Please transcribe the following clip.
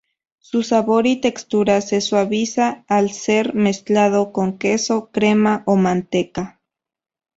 Su sabor y textura se suaviza al ser mezclado con queso crema o manteca.